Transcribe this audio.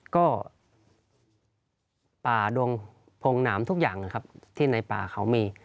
ก็ป่าดวงพงหนามทุกอย่างนะครับที่ในป่าเขามี